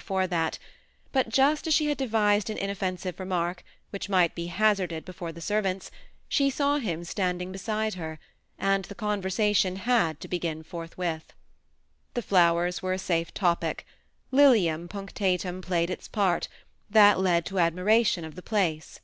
before that ; but just as she had devised an in oflfensite remark, which might be hazarded before the servants, she saw him standing beside her, and the oonversatioQ had to begin forthwith. The flowers were a safe topic, Lilnim punctatum played its part; that led to admiration of the place.